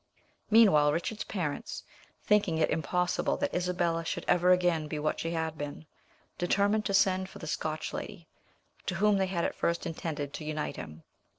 Meanwhile, Richard's parents, thinking it impossible that Isabella should ever again be what she had been, determined to send for the Scotch lady, to whom they had at first intended to unite him.